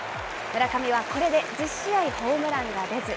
村上はこれで１０試合ホームランが出ず。